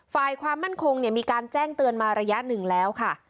ฝ่ายความมั่นคงมีการแจ้งเตือนมาระยะหนึ่งแล้วค่ะ